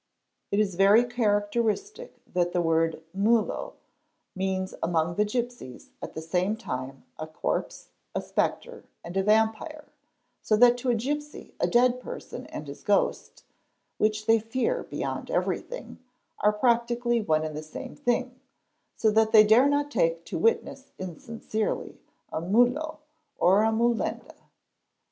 It is very character istic that the word mulo means among the gipses at the same time a corpse, a spectre, and a vampire, so that to a gipsy a dead person and his | ghost (which they fear beyond everything) are practically one and the same thing, so that they dare not take to witness insincerely a '"' mulo" or a "' mulende."